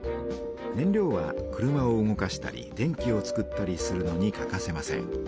燃料は車を動かしたり電気を作ったりするのに欠かせません。